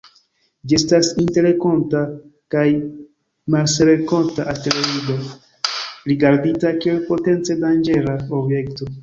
Ĝi estas terrenkonta kaj marsrenkonta asteroido, rigardita kiel potence danĝera objekto.